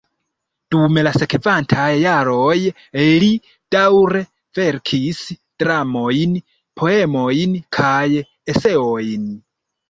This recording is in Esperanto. Dum la sekvantaj jaroj li daŭre verkis dramojn, poemojn kaj eseojn.